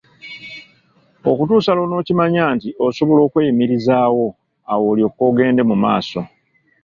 Okutuusa lw'onookimanya nti osobola okweyimirizaawo, awo olyoke ogende mu maaso.